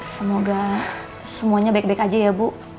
semoga semuanya baik baik aja ya bu